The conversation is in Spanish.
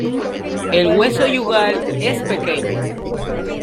El hueso yugal es pequeño.